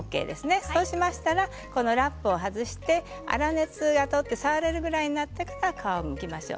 そうしましたらラップを外して粗熱が取れてるか触れるぐらいになってから皮をむきましょう。